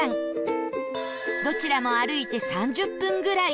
どちらも歩いて３０分ぐらい